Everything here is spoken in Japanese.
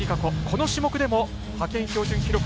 この種目でも派遣標準記録